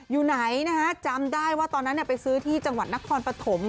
อยู่ไหนนะฮะจำได้ว่าตอนนั้นไปซื้อที่จังหวัดนครปฐม